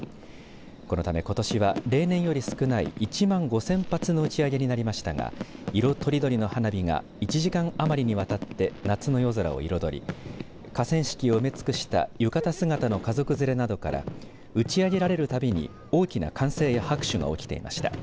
このためことしは例年より少ない１万５０００発の打ち上げになりましたが色とりどりの花火が１時間余りにわたって夏の夜空を彩り河川敷を埋め尽くした浴衣姿の家族連れなどから打ち上げられるたびに大きな歓声や拍手が起きていました。